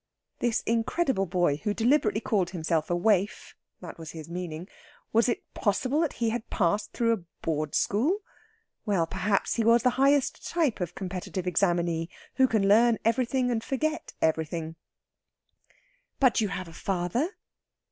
This incredible boy, who deliberately called himself a waif (that was his meaning), was it possible that he had passed through a board school? Well, perhaps he was the highest type of competitive examinee, who can learn everything and forget everything. "But you have a father?"